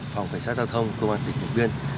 phòng cảnh sát giao thông cơ quan tỉnh hồng biên